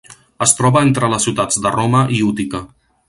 Es troba entre les ciutats de Roma i Útica.